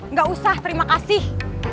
nggak usah terima kasih